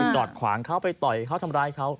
จอดขวางเขาไปต่อยเขาทำร้ายเขา